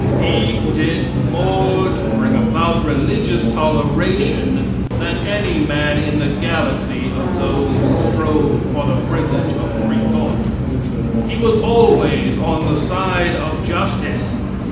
He did more to bring about religious toleration than any man in the galaxy of those who strove for the privilege of free thought. He was always on the side of justice.